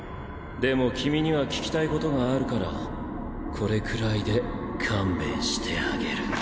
でも君には聞きたいことがあるからこれくらいで勘弁してあげる。